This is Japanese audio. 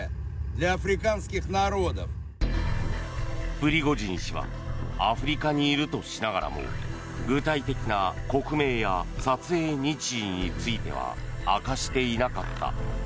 プリゴジン氏はアフリカにいるとしながらも具体的な国名や撮影日時については明かしていなかった。